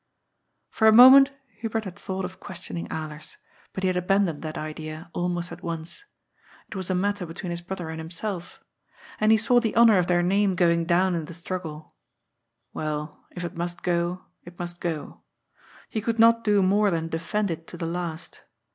For a moment Hubert had thought of questioning Alers, but he had abandoned that idea almost at once. It was a matter between his brother and himself. And he saw the honour of their name going down in the struggle. Well, if it must go, it must go. He could not do more than defend it to the last.